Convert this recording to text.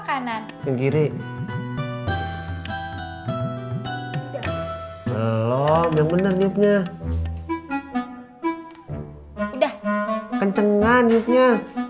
sampai jumpa di video selanjutnya